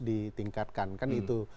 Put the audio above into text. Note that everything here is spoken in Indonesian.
ditingkatkan kan itu